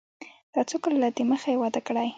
دا څو کاله د مخه يې واده کړى.